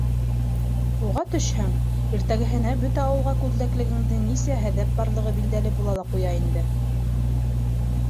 Уға төшһәң, иртәгеһенә бөтә ауылға күлдәгендә нисә һәҙәп барлығы билдәле була ла ҡуя инде.